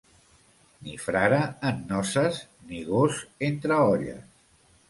Ni frare en noces, ni gos entre olles.